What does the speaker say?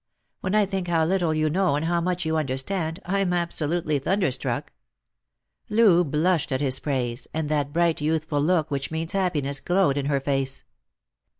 When I think how little you know and how much you understand, I'm absolutely thunderstruck." Loo blushed at his praise; and that bright youthful look which means happiness glowed in her face.